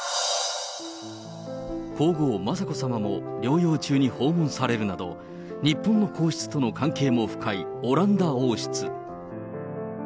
皇后、雅子さまも療養中に訪問されるなど、日本の皇室との関係も深いオランダ王室。